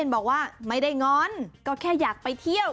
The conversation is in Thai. บอกว่าไม่ได้ง้อนก็แค่อยากไปเที่ยว